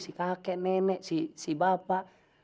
si kakek nenek si bapak